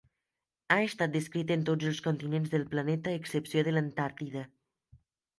Ha estat descrita en tots els continents del planeta, a excepció de l'Antàrtida.